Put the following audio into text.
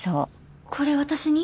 これ私に？